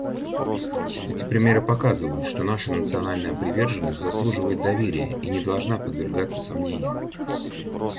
Эти примеры показывают, что наша национальная приверженность заслуживает доверия и не должна подвергаться сомнению.